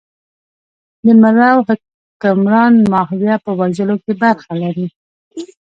د مرو حکمران ماهویه په وژلو کې برخه لري.